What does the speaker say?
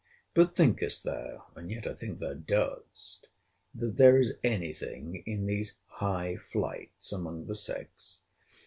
But thinkest thou, [and yet I think thou dost,] that there is any thing in these high flights among the sex?